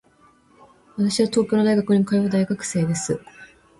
私は東京の大学に通う大学生です。